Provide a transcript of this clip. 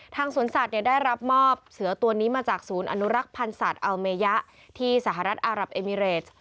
สวนสัตว์ได้รับมอบเสือตัวนี้มาจากศูนย์อนุรักษ์พันธ์สัตว์อัลเมยะที่สหรัฐอารับเอมิเรส